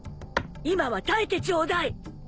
今は耐えてちょうだい。